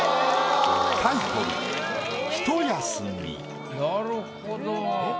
タイトルなるほど。